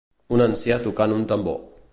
Un ancià tocant un tambor.